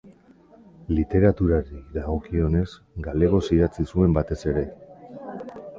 Literaturari dagokionez, galegoz idatzi zuen batez ere.